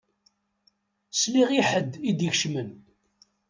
Sliɣ i ḥedd i d-ikecmen.